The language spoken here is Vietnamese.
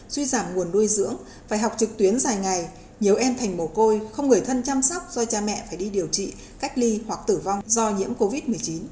suy giảm nguồn nuôi dưỡng phải học trực tuyến dài ngày nhiều em thành mồ côi không người thân chăm sóc do cha mẹ phải đi điều trị cách ly hoặc tử vong do nhiễm covid một mươi chín